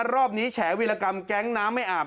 รอบนี้แฉวีรกรรมแก๊งน้ำไม่อาบ